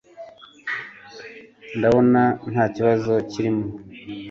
ndabona ntakibazo kirimo